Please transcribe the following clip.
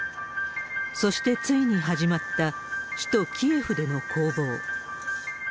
そしてついに始まった、首都キエフでの攻防。